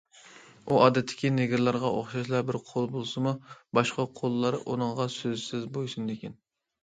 ئۇ ئادەتتىكى نېگىرلارغا ئوخشاشلا بىر قۇل بولسىمۇ، باشقا قۇللار ئۇنىڭغا سۆزسىز بويسۇنىدىكەن.